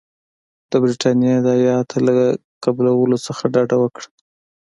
د برټانیې د هیات له قبولولو څخه ډډه وکړه.